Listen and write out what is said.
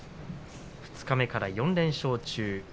二日目から４連勝中。